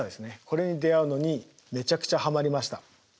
これに出会うのにめちゃくちゃはまりました。